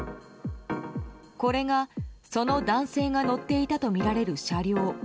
これが、その男性が乗っていたとみられる車両。